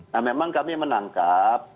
nah memang kami menangkap